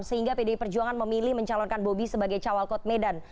sehingga pdi perjuangan memilih mencalonkan bobi sebagai cawal kod medan